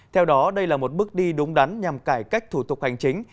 theo đó đây là một bước đi đúng đắn nhằm cải cách thủ tục hành chính